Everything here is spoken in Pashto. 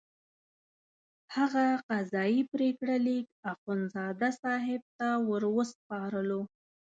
هغه قضایي پرېکړه لیک اخندزاده صاحب ته وروسپارلو.